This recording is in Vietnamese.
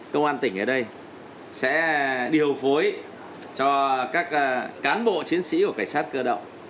công an tỉnh ở đây sẽ điều phối cho các cán bộ chiến sĩ của cảnh sát cơ động